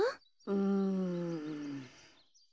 うん。